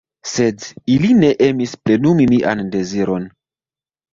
Sed ili ne emis plenumi mian deziron.